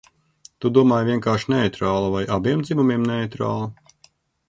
"Tu domāji "vienkārši neitrāla" vai "abiem dzimumiem neitrāla"?"